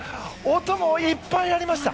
音もいっぱいありました。